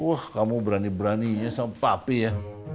wah kamu berani beraninya sama papi ya